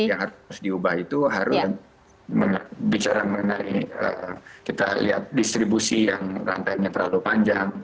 yang harus diubah itu harus bicara mengenai kita lihat distribusi yang rantainya terlalu panjang